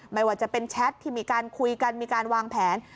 ไม่ว่าจะเป็นแชทที่มีการคุยกันมีการวางแผน